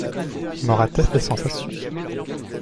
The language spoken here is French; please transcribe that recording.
Mouratet fait sensation.